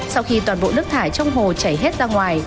sau khi toàn bộ nước thải trong hồ chảy hết ra ngoài